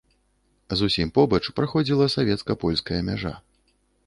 Зусім побач праходзіла савецка-польская мяжа.